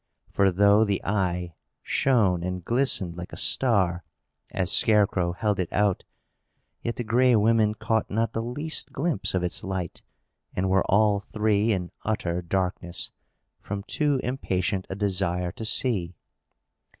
For, though the eye shone and glistened like a star, as Scarecrow held it out, yet the Gray Women caught not the least glimpse of its light, and were all three in utter darkness, from too impatient a desire to see.